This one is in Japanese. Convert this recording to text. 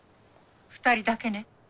２人だけね？